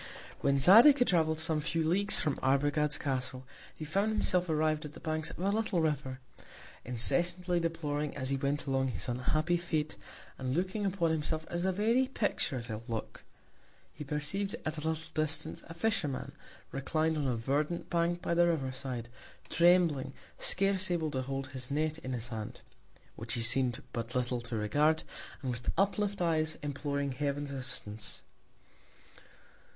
When Zadig had travelled some few Leagues from Arbogad's Castle, he found himself arriv'd at the Banks of a little River; incessantly deploring, as he went along, his unhappy Fate, and looking upon himself as the very Picture of ill Luck. He perceiv'd at a little Distance a Fisherman, reclin'd on a verdant Bank by the River side, trembling, scarce able to hold his Net in his Hand, (which he seem'd but little to regard) and with uplift Eyes, imploring Heaven's Assistance.